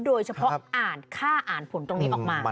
โดยเฉพาะอ่านค่าอ่านผลตรงนี้ออกมา